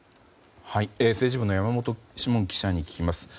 政治部の山本志門記者に聞きます。